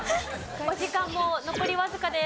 お時間もう残りわずかです。